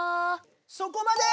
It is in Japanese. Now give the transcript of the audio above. そこまで！